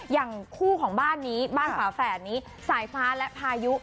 อย่างคู่ของบ้านนี้บ้านฝาแฝดนี้สายฟ้าและพายุ